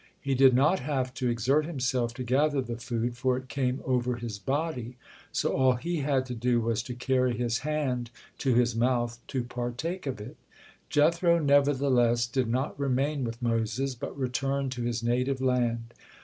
He did not have to exert himself to gather the food, for it came over his body, so all he had to do was to carry his hand to his mouth to partake of it. Jethro, nevertheless, did not remain with Moses, but returned to his native land.